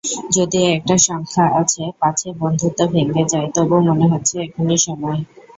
যদিও একটা শঙ্কা আছে পাছে বন্ধুত্ব ভেঙে যায়, তবু মনে হচ্ছে এখনই সময়।